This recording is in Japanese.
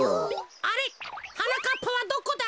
あれっはなかっぱはどこだ？